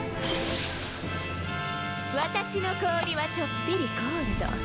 私の氷はちょっぴりＣＯＬＤ。